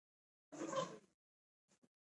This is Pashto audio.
ښارونه د افغانستان د امنیت په اړه هم اغېز لري.